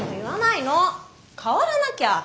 変わらなきゃ。